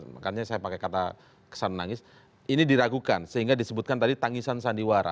makanya saya pakai kata kesan menangis ini diragukan sehingga disebutkan tadi tangisan sandiwara